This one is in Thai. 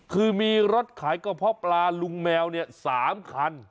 คือมีรถขายกระเพาะปลาลุงแมว๓คัน